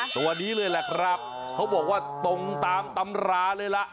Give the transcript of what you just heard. ตัวนี้เลยแหละครับเขาบอกว่าตรงตามตำราเลยล่ะ